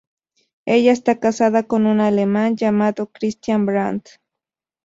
Ella está casada con un alemán llamado, Christian Brandt.